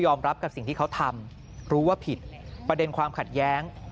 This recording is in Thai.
รับกับสิ่งที่เขาทำรู้ว่าผิดประเด็นความขัดแย้ง